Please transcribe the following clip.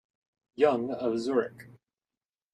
Jung of Zurich.